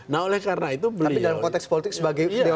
tapi dalam konteks politik sebagai